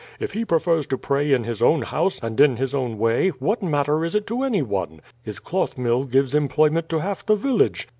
If he prefers to pray in his own house and in his own way, what matter is it to any one? His cloth mill gives employment to half the village.